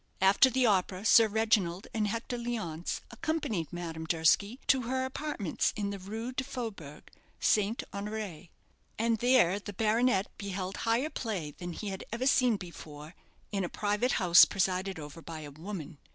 After the opera Sir Reginald and Hector Leonce accompanied Madame Durski to her apartments in the Rue du Faubourg, St. Honoré; and there the baronet beheld higher play than he had ever seen before in a private house presided over by a woman.